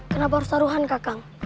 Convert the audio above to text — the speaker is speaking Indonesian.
kenapa harus taruhan kakak